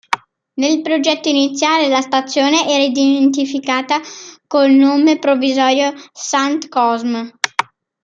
Nel progetto iniziale la stazione era identificata col nome provvisorio "Sant Cosme".